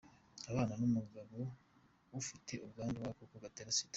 Abana n’umugabo ufite ubwandu bw’agakoko gatera Sida.